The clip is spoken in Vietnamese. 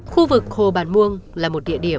khu vực hồ bản muông là một địa điểm